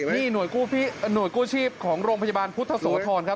นี่หน่วยกู้ชีพของโรงพยาบาลพุทธโสธรครับ